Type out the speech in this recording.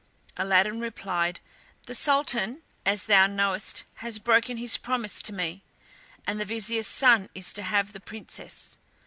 Aladdin replied: "The Sultan, as thou knowest, has broken his promise to me, and the vizier's son is to have the Princess.